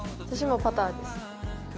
私もパターです。